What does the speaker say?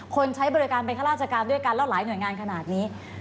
ใช้บริการเป็นข้าราชการด้วยกันแล้วหลายหน่วยงานขนาดนี้